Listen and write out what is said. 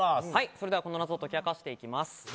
それではこの謎を解き明かしていきます。